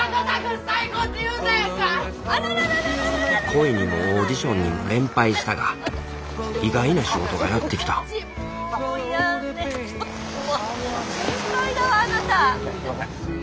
恋にもオーディションにも連敗したが意外な仕事がやって来たもうやあね。